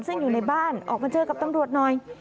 ซึ่งอยู่ในบ้านออกมาเจอกับตำรวจหน่อย